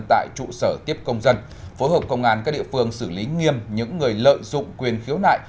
tại trụ sở tiếp công dân phối hợp công an các địa phương xử lý nghiêm những người lợi dụng quyền khiếu nại